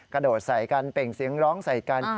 กระโดดใส่กันเปล่งเสียงร้องใส่กัน